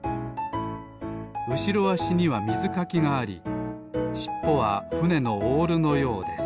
うしろあしにはみずかきがありしっぽはふねのオールのようです。